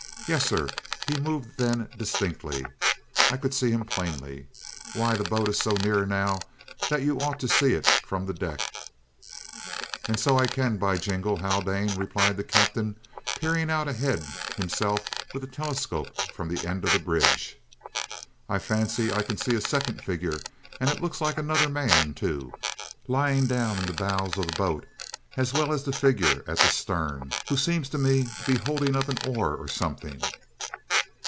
Yes, sir; he moved then distinctly. I could see him plainly. Why, the boat is so near now that you ought to see it from the deck." "And so I can, by Jingo, Haldane!" replied the captain, peering out ahead himself with a telescope from the end of the bridge. "I fancy I can see a second figure, and it looks like another man, too, lying down in the bows of the boat, as well as the figure at the stern, who seems to me to be holding up an oar or something!"